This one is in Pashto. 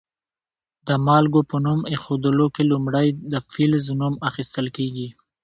د مالګو په نوم ایښودلو کې لومړی د فلز نوم اخیستل کیږي.